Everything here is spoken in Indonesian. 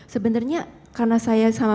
sebenarnya karena saya sama